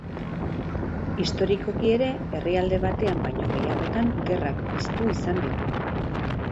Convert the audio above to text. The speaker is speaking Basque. Historikoki ere herrialde batean baino gehiagotan gerrak piztu izan ditu.